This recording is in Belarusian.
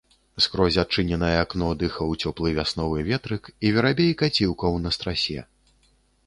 Скрозь адчыненае акно дыхаў цёплы вясновы ветрык, і верабейка ціўкаў на страсе.